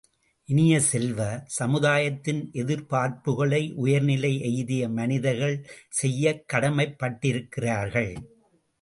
இனிய செல்வ, சமுதாயத்தின் எதிர்ப்பார்ப்புகளை உயர்நிலை எய்திய மனிதர்கள் செய்யக் கடமைப் பட்டிருக்கிறார்கள்.